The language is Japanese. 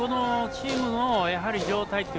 チームの状態